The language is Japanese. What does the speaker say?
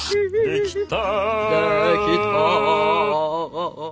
「できた」